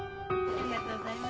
ありがとうございます。